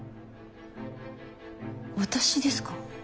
私ですか？